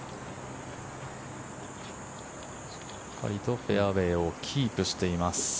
しっかりとフェアウェーをキープしています。